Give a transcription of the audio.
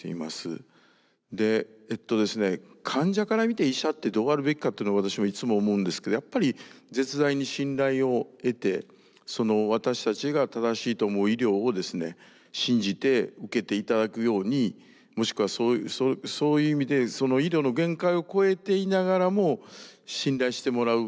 で患者から見て医者ってどうあるべきかっていうのを私はいつも思うんですけどやっぱり絶大に信頼を得て私たちが正しいと思う医療をですね信じて受けて頂くようにもしくはそういう意味でその医療の限界を超えていながらも信頼してもらう。